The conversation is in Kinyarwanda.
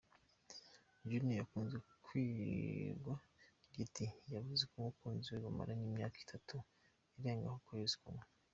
Junior ukunzwe kwiwa ‘Giti’ yavuze ko umukunzi we bamaranye imyaka itatu irengaho ukwezi kumwe.